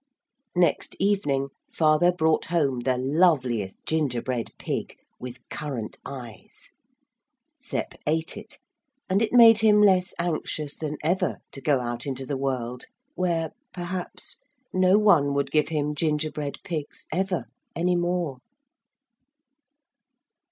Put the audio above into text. Next evening father brought home the loveliest gingerbread pig with currant eyes. Sep ate it, and it made him less anxious than ever to go out into the world where, perhaps, no one would give him gingerbread pigs ever any more.